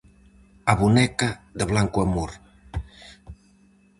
"A boneca de Blanco Amor".